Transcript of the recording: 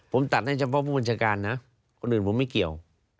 ผมตัดให้เฉพาะผู้บัญชาการนะคนอื่นผมไม่เกี่ยว